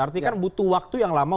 artinya kan butuh waktu yang lama